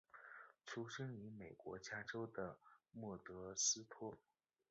出生于美国加州的莫德斯托。